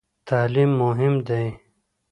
تعلیم مهم دی؟